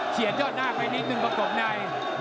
เปลี่ยนยอดหน้าไปนิดนึงก็ตกนาย